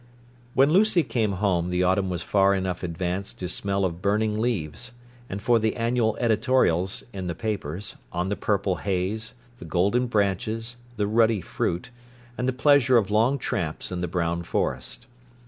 When Lucy came home the autumn was far enough advanced to smell of burning leaves, and for the annual editorials, in the papers, on the purple haze, the golden branches, the ruddy fruit, and the pleasure of long tramps in the brown forest.